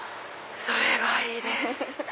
それがいいです！